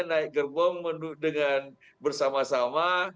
naik gerbong bersama sama